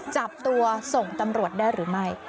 จับตัวส่งตำรวจได้หรือไม่